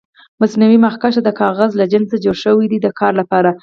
مصنوعي مخکش د کاغذ له جنس څخه جوړ شوي دي د کار لپاره.